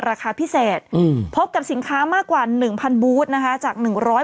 ราคาพิเศษอืมพบกับสินค้ามากกว่าหนึ่งพันนะคะจากหนึ่งร้อย